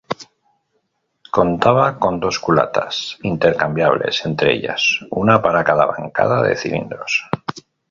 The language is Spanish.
Contaba con dos culatas intercambiables entre ellas, una para cada bancada de cilindros.